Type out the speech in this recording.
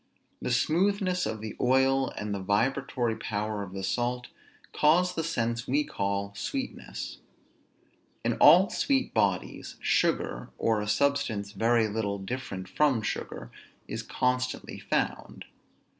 The smoothness of the oil and the vibratory power of the salt cause the sense we call sweetness. In all sweet bodies, sugar, or a substance very little different from sugar, is constantly found.